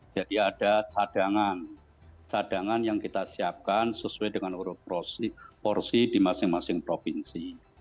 jadi ada cadangan cadangan yang kita siapkan sesuai dengan urut porsi di masing masing provinsi